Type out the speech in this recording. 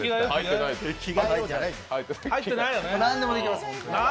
何でもできます。